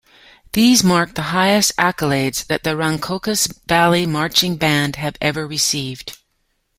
These mark the highest accolades that the Rancocas Valley Marching Band have ever received.